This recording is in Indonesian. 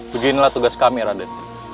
beginilah tugas kami raden